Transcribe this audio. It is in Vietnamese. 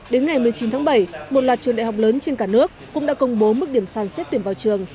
đến ngày một mươi chín tháng bảy một loạt trường đại học lớn trên cả nước cũng đã công bố mức điểm sàn xét tuyển vào trường